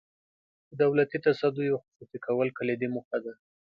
د دولتي تصدیو خصوصي کول کلیدي موخه ده.